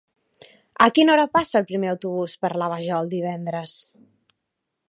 A quina hora passa el primer autobús per la Vajol divendres?